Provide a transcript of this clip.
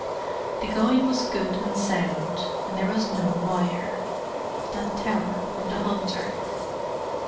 The going was good and sound, and there was no wire—that terror of the hunter.